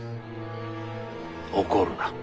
怒るな。